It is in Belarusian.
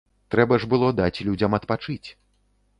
Трэба ж было даць людзям адпачыць.